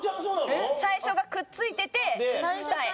最初がくっついてて二重。